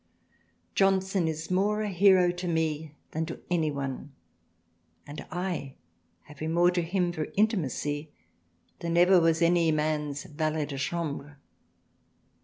Johnson is more a Hero to me than to THRALIANA 27 anyone and I have been more to him for intimacy than ever was any Man's Valet de Chambre."